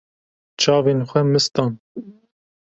Çavên xwe mist dan.